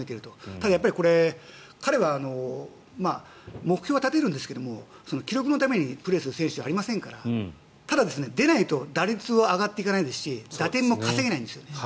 ただ、彼は目標は立てるんですが記録のためにプレーする選手ではありませんからただ出ないと打率は上がっていかないですし打点も稼げない。